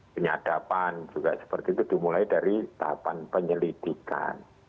penyadapan juga seperti itu dimulai dari tahapan penyelidikan